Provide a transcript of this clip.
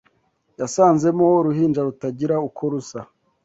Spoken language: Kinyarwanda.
yasanzemo uruhinja rutagira uko rusa